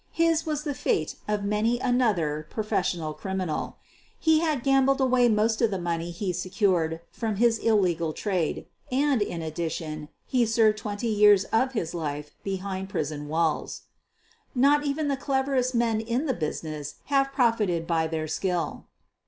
His was thft fate of many another professional criminal. Ke had QUEEN OF THE BURGLARS 185 gambled away most of the money lie secured from his illegal trade and, in addition, he served twenty years of his life behind prison walls. Not even the cleverest men in the business have profited by their skill.